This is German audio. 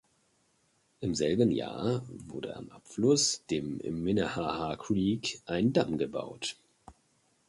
Im selben Jahr wurde am Abfluss, dem Minnehaha Creek, ein Damm gebaut.